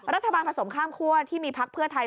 รัฐบาลผสมข้ามคั่วที่มีภักดิ์เพื่อไทย